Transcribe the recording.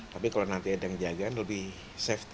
tapi kalau nanti ada yang jagaan lebih safety